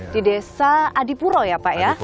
di desa adipuro ya pak ya